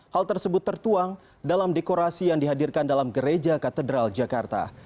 hal tersebut tertuang dalam dekorasi yang dihadirkan dalam gereja katedral jakarta